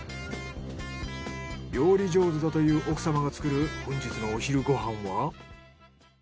料理上手だという奥様が作る本日のお昼ご飯は。